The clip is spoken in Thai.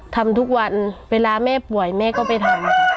ทำทุกวันเวลาแม่ป่วยแม่ก็ไปทำค่ะ